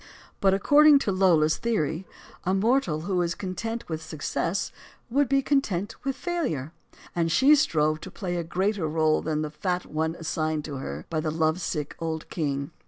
But, according to Lola's theory, a mortal who is content with success would be content with failure. And she strove to play a greater role than the fat one assigned to her by the love sick old king.